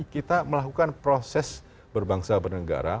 kita melakukan proses berbangsa bernegara